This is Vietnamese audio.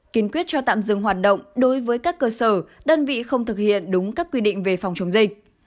kiến quyết cho tạm dừng hoạt động đối với các cơ sở đơn vị không thực hiện đúng các quy định về phòng chống dịch